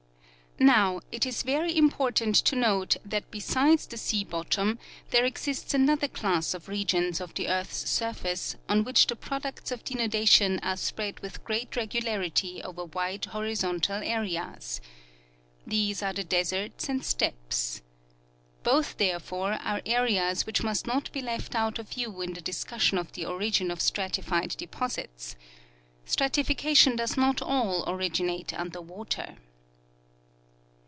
Now, it is ver}^ important to note that besides the sea bottom there exists another class of regions of the earth's surface on which the products of denudation are spread with great regu larity over wide horizontal areas. These are the deserts and steppes. Both therefore are areas which must not be left out of view in the discussion of the origin of stratified deposits. Strati fication does not all originate under water.